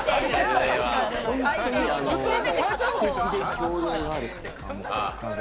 知的で教養のある感じ。